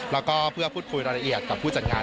แล้วก็เพื่อพูดคุยรายละเอียดกับผู้จัดงาน